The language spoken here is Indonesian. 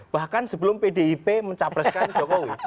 bahkan sebelum pdip mencapreskan jokowi